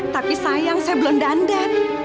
tapi sayang saya belum dandan